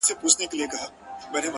• اوس به ورته ډېر ،ډېر انـتـظـار كوم،